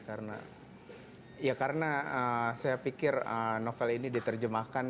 karena ya karena saya pikir novel ini diterjemahkan